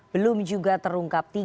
belum juga terungkap